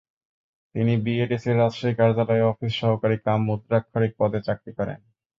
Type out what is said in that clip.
তিনি বিএডিসির রাজশাহী কার্যালয়ে অফিস সহকারী কাম মুদ্রাক্ষরিক পদে চাকরি করেন।